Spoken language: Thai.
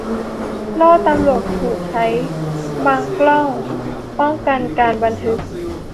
โล่ตำรวจถูกใช้บังกล้อง ป้องกันการบันทึก